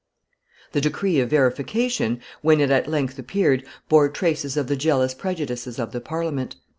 The decree of verification, when it at length appeared, bore traces of the jealous prejudices of the Parliament.